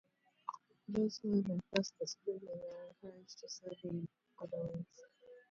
Those who haven’t passed the screening are encouraged to serve in other ways.